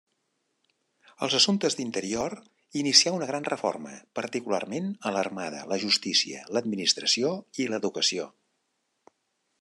Als assumptes d'interior, inicià una gran reforma, particularment a l'armada, la justícia, l'administració i l'educació.